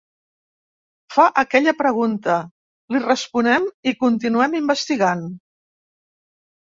Fa aquella pregunta, li responem i continuem investigant.